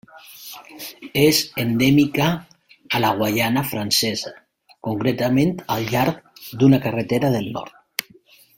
És endèmica a la Guaiana francesa, concretament al llarg d'una carretera del nord.